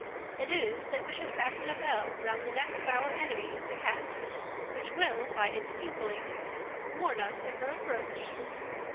It is that we should fasten a bell round the neck of our enemy the cat, which will by its tinkling warn us of her approach."